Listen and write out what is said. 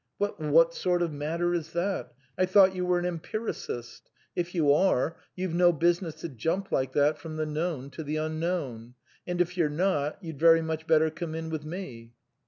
But what sort of matter is that? I thought you were an empiricist ; if you are, you've no business to jump like that from the known to the unknown; and if you're not, you'd very much better come in with me.